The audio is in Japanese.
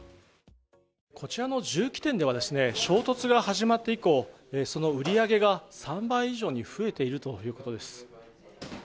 こちらの銃器店では衝突が始まって以降その売り上げが３倍以上に増えているということです。